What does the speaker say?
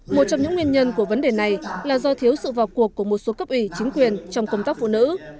một trong những nguyên nhân của vấn đề này là do thiếu sự vào cuộc của một số cấp ủy chính quyền trong công tác phụ nữ